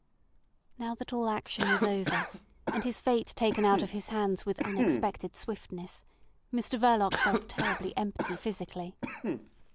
Now that all action was over and his fate taken out of his hands with unexpected swiftness, Mr Verloc felt terribly empty physically.